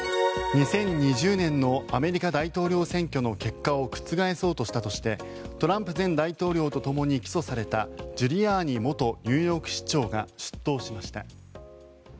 ２０２０年のアメリカ大統領選挙の結果を覆そうとしたとしてトランプ前大統領とともに起訴されたジュリアーニ元ニューヨーク市長が出頭しました。